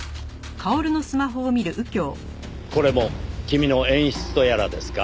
これも君の演出とやらですか？